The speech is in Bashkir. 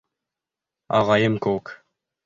Ағайым кеүек.